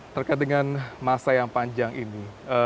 terkait dengan masa yang panjang ini